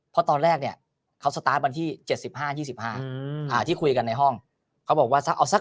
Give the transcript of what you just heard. พอตอนแรกเนี่ยเขาสตาร์ทบรรที่๗๕๒๕หาที่คุยกันในห้องเขาบอกว่าสัก๘๐